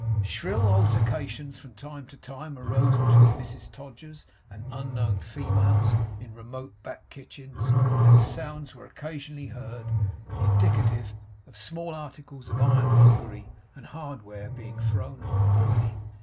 Shrill altercations from time to time arose between Mrs Todgers and unknown females in remote back kitchens; and sounds were occasionally heard, indicative of small articles of iron mongery and hardware being thrown at the boy.